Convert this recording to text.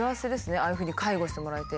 ああいうふうに介護してもらえて。